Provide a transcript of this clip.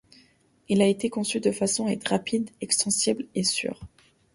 Il a été conçu de façon à être rapide, extensible, et sûr.